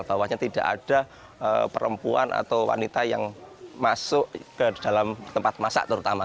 bahwasannya tidak ada perempuan atau wanita yang masuk ke dalam tempat masak terutama